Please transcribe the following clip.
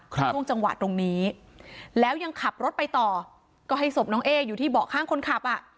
ช่วงจังหวะตรงนี้แล้วยังขับรถไปต่อก็ให้ศพน้องเอ๊อยู่ที่เบาะข้างคนขับอ่ะ